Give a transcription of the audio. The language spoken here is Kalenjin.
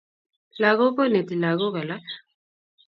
Lakok koneti lakok alak